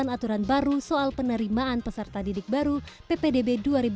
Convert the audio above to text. aturan baru soal penerimaan peserta didik baru ppdb dua ribu dua puluh